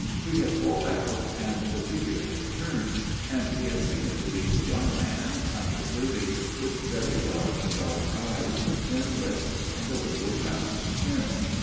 He had called out, and the figure had turned, and he had seen it to be a young man, under thirty, with very large dark eyes, thin lips, and a little round chin.